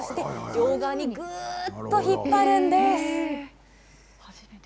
両側にぐっと引っ張るんです。